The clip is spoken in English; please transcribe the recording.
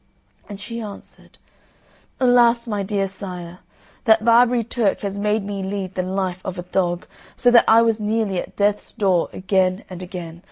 And she answered, "Alas, my dear sire, that Barbary Turk has made me lead the life of a dog, so that I was nearly at death's door again and again.